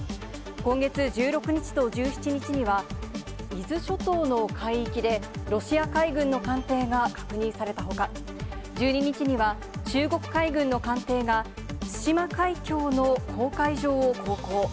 今月１６日と１７日には、伊豆諸島の海域で、ロシア海軍の艦艇が確認されたほか、１２日には、中国海軍の艦艇が対馬海峡の公海上を航行。